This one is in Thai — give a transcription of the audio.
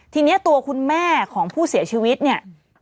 ทีนี้ตัวคุณแม่ของผู้เสียชีวิตเนี่ย